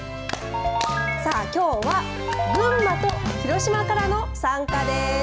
さあ、きょうは群馬と広島からの参加です。